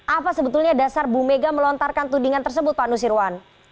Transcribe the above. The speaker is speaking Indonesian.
apa sebetulnya dasar bu mega melontarkan tudingan tersebut pak nusirwan